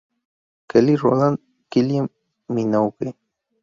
Kelly Rowland, Kylie Minogue.